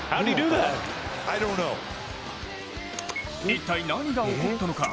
一体何が起こったのか。